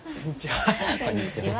こんにちは。